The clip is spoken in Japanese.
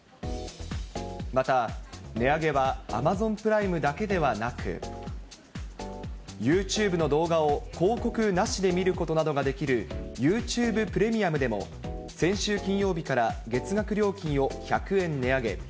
また値上げはアマゾンプライムだけではなく、ユーチューブの動画を広告なしで見ることなどができるユーチューブプレミアムでも、先週金曜日から、月額料金を１００円値上げ。